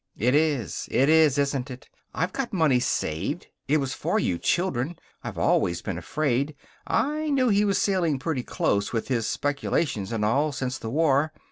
"It is! It is, isn't it! I've got money saved. It was for you children. I've always been afraid. I knew he was sailing pretty close, with his speculations and all, since the war.